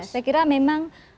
saya kira memang